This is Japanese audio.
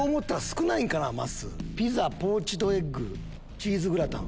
ピザポーチドエッグチーズグラタン。